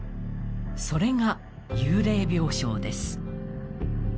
それが幽霊病床です。